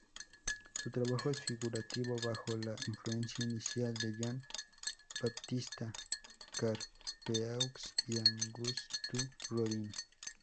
Su trabajo es figurativo bajo la influencia inicial de Jean-Baptista Carpeaux y Auguste Rodin.